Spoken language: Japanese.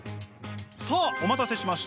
さあお待たせしました。